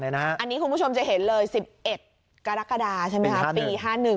อันนี้คุณผู้ชมจะเห็นเลย๑๑กรกฎาปี๕๑